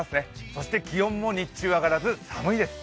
そして気温も日中上がらず寒いです。